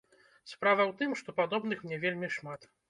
Справа ў тым, што падобных мне вельмі шмат.